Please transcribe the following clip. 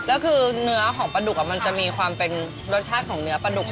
แล้วคือเนื้อของปลาดุกมันจะมีความเป็นรสชาติของเนื้อปลาดุก